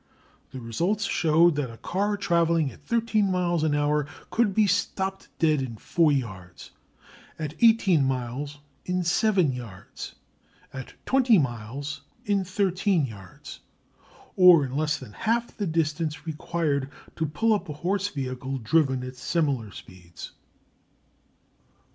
The results showed that a car travelling at 13 miles an hour could be stopped dead in 4 yards; at 18 miles in 7 yards; at 20 miles in 13 yards; or in less than half the distance required to pull up a horse vehicle driven at similar speeds.